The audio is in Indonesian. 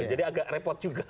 jadi agak repot juga